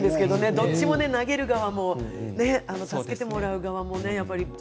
どっちも投げる側もね助けてもらう側も。